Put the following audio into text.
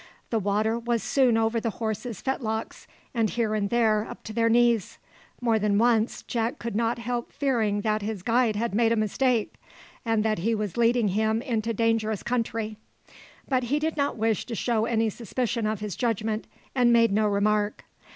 The water was soon over the horses' fetlocks, and here and there up to their knees. More than once Jack could not help fearing that his guide had made a mistake, and that he was leading him into dangerous country; but he did not wish to show any suspicion of his judgment, and made no remark.